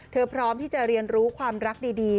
พร้อมที่จะเรียนรู้ความรักดี